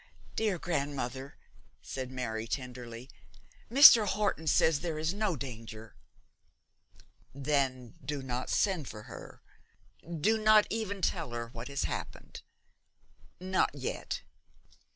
'Dear grandmother,' said Mary, tenderly, 'Mr. Horton says there is no danger.' 'Then do not send for her; do not even tell her what has happened; not yet.'